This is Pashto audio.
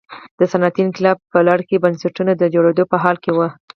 د صنعتي انقلاب په لړ کې بنسټونه د جوړېدو په حال کې وو.